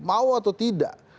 mau atau tidak